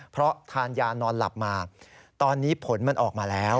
เพราะทานยานอนหลับมาตอนนี้ผลมันออกมาแล้ว